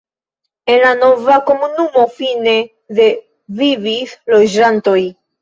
En la nova komunumo fine de vivis loĝantoj.